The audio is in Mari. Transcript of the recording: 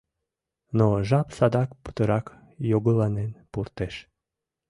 Но жап садак путырак йогыланен туртеш.